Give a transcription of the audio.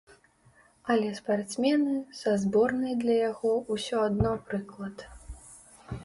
Але спартсмены са зборнай для яго ўсё адно прыклад.